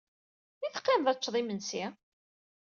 I teqqimed ad teččed imensi?